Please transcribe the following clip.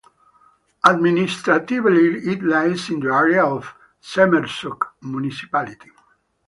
Administratively it lies in the area of Sermersooq municipality.